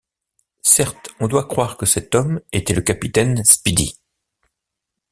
Certes, on doit croire que cet homme était le capitaine Speedy!